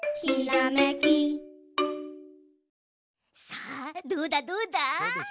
さあどうだどうだ？